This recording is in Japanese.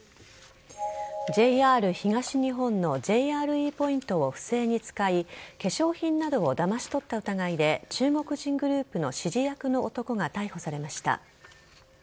ＪＲ東日本のＪＲＥポイントを不正に使い化粧品などをだまし取った疑いで中国人グループの指示役の男が逮捕されました。